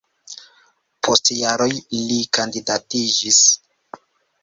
Post jaroj li kandidatiĝis.